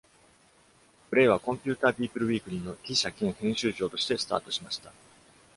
ブレイは「Computerpeople Weekly」の記者兼編集長としてスタートしました。